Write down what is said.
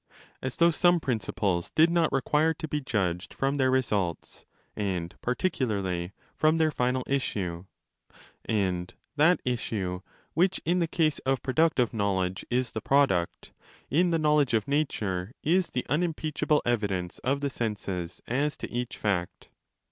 As though some principles did not require to be judged ;; from their results, and particularly from their final issue! And that issue, which in the case of productive knowledge? is the product, in the knowledge of nature is the unim peachable evidence of the senses as to each fact.